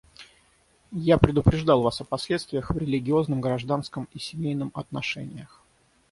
Я предупреждал вас о последствиях в религиозном, гражданском и семейном отношениях.